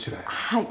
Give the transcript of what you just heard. はい。